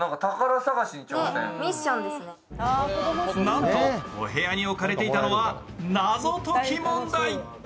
なんと、お部屋に置かれていたのは謎解き問題。